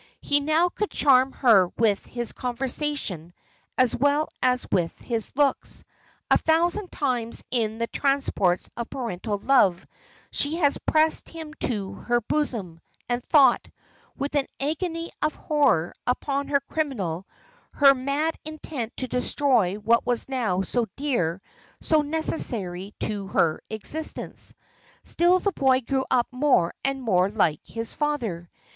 He now could charm her with his conversation as well as with his looks: a thousand times in the transports of parental love she has pressed him to her bosom, and thought, with an agony of horror, upon her criminal, her mad intent to destroy what was now so dear, so necessary to her existence. Still the boy grew up more and more like his father.